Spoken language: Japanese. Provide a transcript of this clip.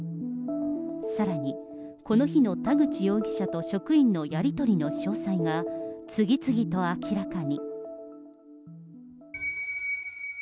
さらに、この日の田口容疑者と職員のやり取りの詳細が次々と明らかに。